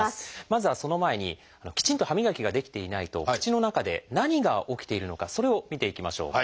まずはその前にきちんと歯磨きができていないと口の中で何が起きているのかそれを見ていきましょう。